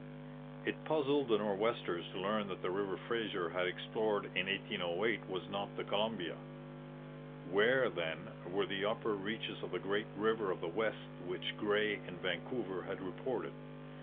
It puzzled the Nor'westers to learn that the river Fraser had explored in 1808 was not the Columbia. Where, then, were the upper reaches of the great River of the West which Gray and Vancouver had reported?